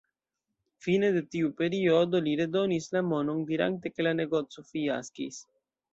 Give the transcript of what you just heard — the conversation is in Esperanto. Fine de tiu periodo, li redonis la monon, dirante ke la negoco fiaskis.